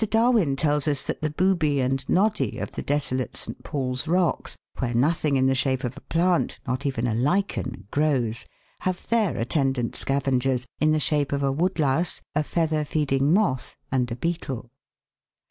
Darwin tells us that the booby and noddy of the desolate St. Paul's Rocks, where nothing in the shape of a plant, not even a lichen, grows, have their attendant scavengers, in the shape of a woodlouse, a feather feeding moth, and a beetle.